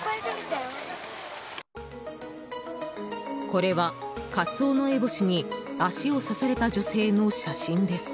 これは、カツオノエボシに足を刺された女性の写真です。